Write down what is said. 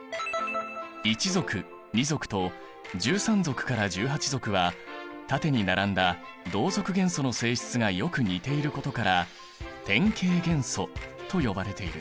１族２族と１３族から１８族は縦に並んだ同族元素の性質がよく似ていることから典型元素と呼ばれている。